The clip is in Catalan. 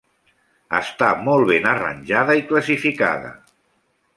Està molt ben arranjada i classificada.